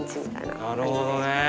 なるほどね。